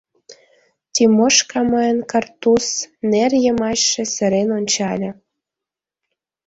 Тимошка мыйым картуз нер йымачше сырен ончале.